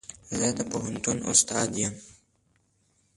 زه د پوهنتون استاد يم.